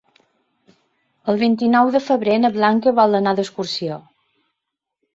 El vint-i-nou de febrer na Blanca vol anar d'excursió.